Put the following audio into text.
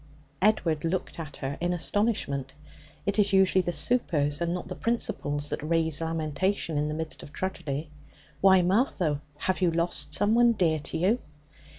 Edward looked at her in astonishment. It is usually the supers, and not the principals, that raise lamentation in the midst of tragedy 'why, Martha, have you lost someone dear to you?'